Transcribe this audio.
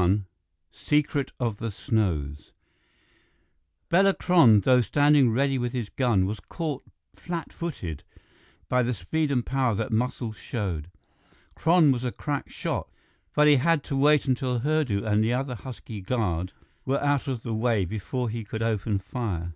XXI Secret of the Snows Bela Kron, though standing ready with his gun, was caught flatfooted by the speed and power that Muscles showed. Kron was a crack shot, but he had to wait until Hurdu and the other husky guard were out of the way before he could open fire.